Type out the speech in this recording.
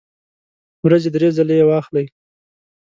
ورځې درې ځله یی واخلئ